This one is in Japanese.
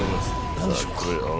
何でしょうか？